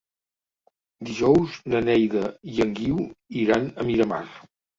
Dijous na Neida i en Guiu iran a Miramar.